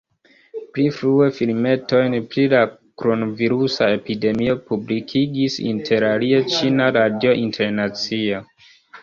Pli frue filmetojn pri la kronvirusa epidemio publikigis interalie Ĉina Radio Internacia.